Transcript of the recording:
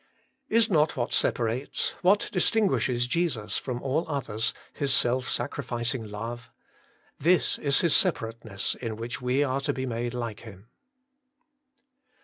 Is not what separates, what distinguishes Jesus from all others, His self sacrificing love ? This is His separateness, in which we are to be made like Him.